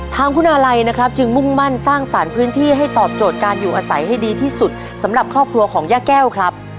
ทางคุณอาลัยนะครับจึงมุ่งมั่นสร้างสารพื้นที่ให้ตอบโจทย์การอยู่อาศัยให้ดีที่สุดสำหรับครอบครัวของย่าแก้วครับ